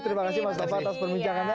terima kasih mas nova atas perbincangannya